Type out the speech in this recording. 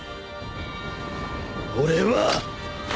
俺は。